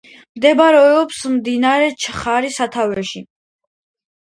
მდებარეობს მდინარე ჩხარის სათავეში.